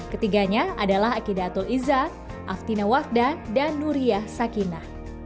ketiganya adalah akidatul izzat aftina wakda dan nuriyah sakina